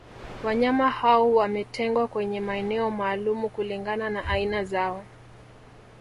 Wanyama hao wametengwa kwenye maeneo maalumu kulingana na aina zao